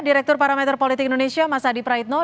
direktur parameter politik indonesia mas adi praitno